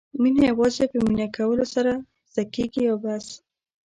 مینه یوازې په مینه کولو سره زده کېږي او بس.